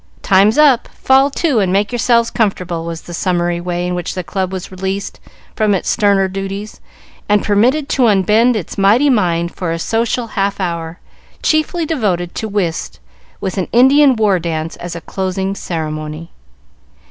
"Time's up; fall to and make yourselves comfortable," was the summary way in which the club was released from its sterner duties and permitted to unbend its mighty mind for a social half hour, chiefly devoted to whist, with an Indian war dance as a closing ceremony.